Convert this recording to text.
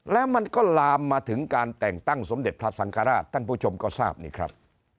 แล้วมันก็ลามมาถึงการแต่งตั้งสมเด็จพระสังฆราชท่านผู้ชมก็ทราบนี่ครับ